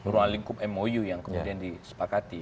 ruang lingkup mou yang kemudian disepakati